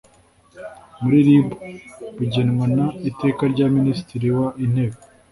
muri rib bigenwa n iteka rya minisitiri w intebe